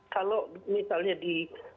kalau misalnya di